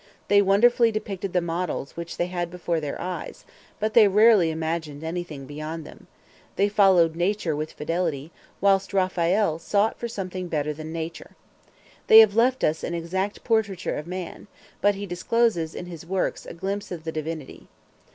They wonderfully depicted the models which they had before their eyes, but they rarely imagined anything beyond them: they followed nature with fidelity: whilst Raphael sought for something better than nature. They have left us an exact portraiture of man; but he discloses in his works a glimpse of the Divinity.